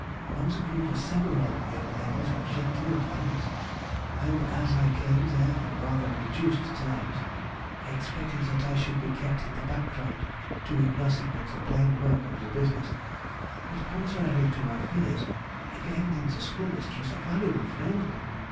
Among the group were several young ladies of genteel families, and as I came there on rather reduced terms, I expected that I should be kept in the back ground, doing nothing but the plain work of the business; but contrary to my fears, I gained in the school mistress a valuable friend....